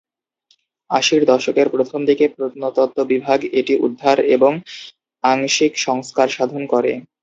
আশির দশকের প্রথমদিকে প্রত্নতত্ত্ব বিভাগ এটি উদ্ধার এবং আংশিক সংস্কার সাধন করে।